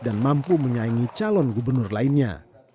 dan mampu menyaingi calon gubernur lainnya